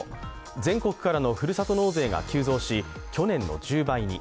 全国からのふるさと納税が急増し、去年の１０倍に。